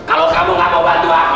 kalau kamu gak mau bantu aku